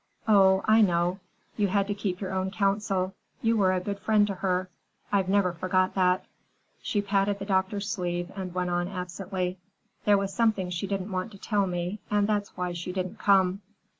Oh, I know! You had to keep your own counsel. You were a good friend to her. I've never forgot that." She patted the doctor's sleeve and went on absently. "There was something she didn't want to tell me, and that's why she didn't come.